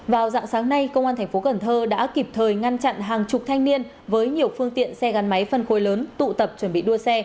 vào dạng sáng nay công an thành phố cần thơ đã kịp thời ngăn chặn hàng chục thanh niên với nhiều phương tiện xe gắn máy phân khối lớn tụ tập chuẩn bị đua xe